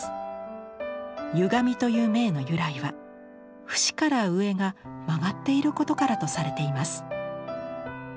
「ゆがみ」という銘の由来は節から上が曲がっていることからとされています。